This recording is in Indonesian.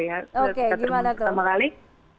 oke gimana tuh